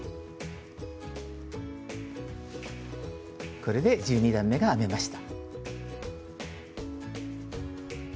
これで１２段めが編めました。